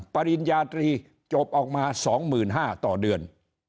ปริญญาตรีจบออกมา๒๕๐๐ต่อเดือน